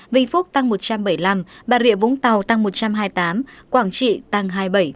vĩnh phúc tăng một trăm bảy mươi năm bà rịa vũng tàu tăng một trăm hai mươi tám quảng trị tăng hai mươi bảy